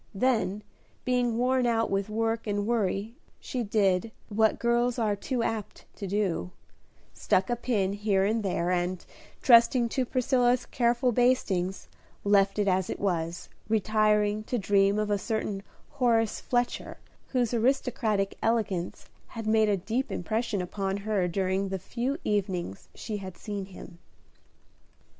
Then, being worn out with work and worry, she did, what girls are too apt to do, stuck a pin here and there, and, trusting to Priscilla's careful bastings, left it as it was, retiring to dream of a certain Horace Fletcher, whose aristocratic elegance had made a deep impression upon her during the few evenings she had seen him.